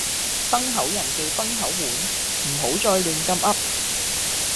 崩口人忌崩口碗，唔好再亂咁噏。